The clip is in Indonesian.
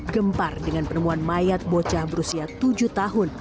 gempar dengan penemuan mayat bocah berusia tujuh tahun